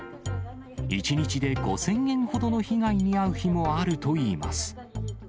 １日で５０００円ほどの被害に遭う日もあるといいます。